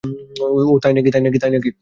ওহ, তাই না-কি?